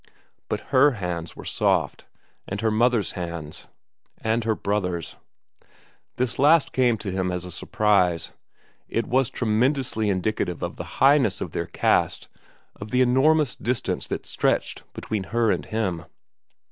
But Her hands were soft, and her mother's hands, and her brothers'. This last came to him as a surprise; it was tremendously indicative of the highness of their caste, of the enormous distance that stretched between her and him.